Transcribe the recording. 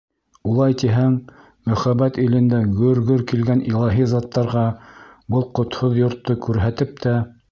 Улай тиһәң, мөхәббәт илендә гөр-гөр килгән илаһи заттарға был ҡотһоҙ йортто күрһәтеп тә...